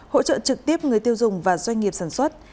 hỗ trợ trực tiếp người tiêu dùng và doanh nghiệp sản xuất